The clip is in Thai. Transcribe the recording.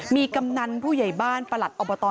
มีกำนันผู้ใหญ่บ้านประหลัดอบต